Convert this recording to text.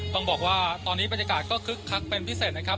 ต้องบอกว่าตอนนี้บรรยากาศก็คึกคักเป็นพิเศษนะครับ